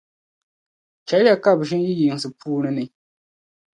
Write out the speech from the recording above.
Chεli ya ka bɛ ʒini yi yiŋsi puuni ni.